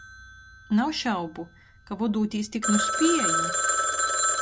Nav šaubu, ka, vodūtīs tik nu spieju,